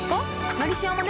「のりしお」もね